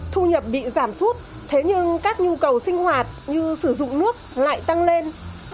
thu nhập bị giảm sút thế nhưng các nhu cầu sinh hoạt như sử dụng nước lại tăng lên